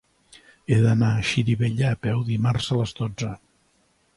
He d'anar a Xirivella a peu dimarts a les dotze.